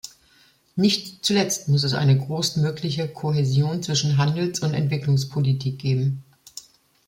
Nicht zuletzt muss es eine größtmögliche Kohäsion zwischen Handels- und Entwicklungspolitik geben.